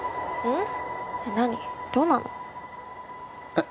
えっ。